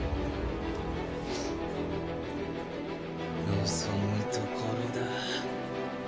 望むところだ！